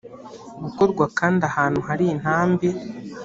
gukorwa kandi ahantu hari intambi